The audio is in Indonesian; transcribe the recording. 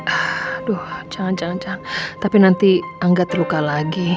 aduh jangan jangan tapi nanti angga terluka lagi